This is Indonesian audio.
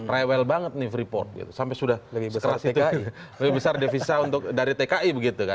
rewel banget nih freeport sampai sudah lebih besar devisa dari tki